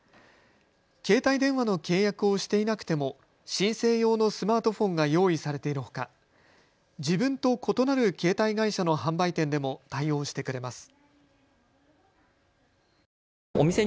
携帯電話の契約をしていなくても申請用のスマートフォンが用意されているほか自分と異なる携帯会社の販売店でも対応してくれます。